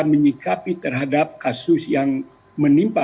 menyikapi terhadap kasus yang menimpa